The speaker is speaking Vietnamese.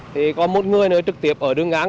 thì có một người nữa trực tiếp ở đường ngang